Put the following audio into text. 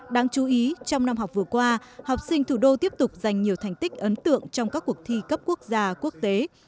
đáng chú ý trong năm học vừa qua học sinh thủ đô tiếp tục giành nhiều thành tích ấn tượng trong các cuộc thi cấp quốc gia quốc tế